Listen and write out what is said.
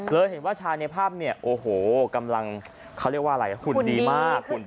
เลยเห็นว่าชายในภาพเนี่ยโอ้โหกำลังเขาเรียกว่าอะไรหุ่นดีมาก